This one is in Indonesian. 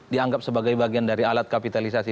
dianggap sebagai bagian dari alat kapitalisasi